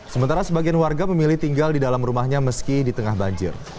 sementara sebagian warga memilih tinggal di dalam rumahnya meski di tengah banjir